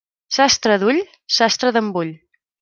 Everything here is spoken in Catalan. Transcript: Sastre d'ull, sastre d'embull.